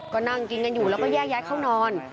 ก็นั่งกินกันอยู่แล้วก็แยกย้ายเข้านอน